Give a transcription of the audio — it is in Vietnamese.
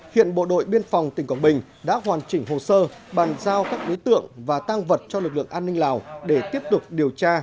hiện bộ đội biên phòng tỉnh quảng bình đã hoàn chỉnh hồ sơ bằng giao các đối tượng và tăng vật cho lực lượng an ninh lào để tiếp tục điều tra làm rõ vụ án